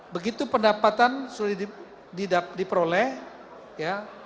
begitu pendapatan sudah didapatkan